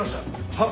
はっ。